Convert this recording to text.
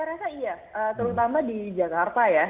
terutama di jakarta ya